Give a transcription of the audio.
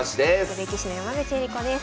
女流棋士の山口恵梨子です。